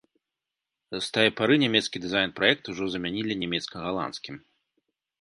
З тае пары нямецкі дызайн-праект ужо замянілі нямецка-галандскім.